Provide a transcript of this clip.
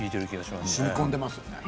しみこんでますね。